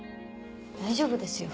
大丈夫ですよ